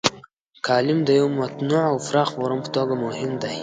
کالم د یوه متنوع او پراخ فورم په توګه مهم دی.